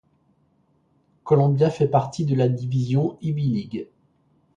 Columbia fait partie de la division Ivy League.